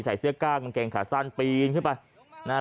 ใส่เสื้อก้ากางเกงขาสั้นปีนขึ้นไป